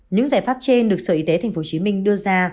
những giải pháp trên được sở y tế tp hcm đưa ra